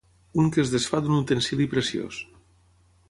Un que es desfà d'un utensili preciós